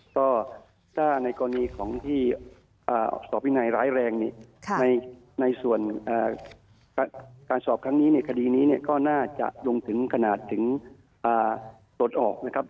ก็ถ้าในกรณีของที่สอบวินัยร้ายแรงในส่วนการสอบครั้งนี้ในคดีนี้ก็น่าจะลงถึงขนาดถึงปลดออกนะครับ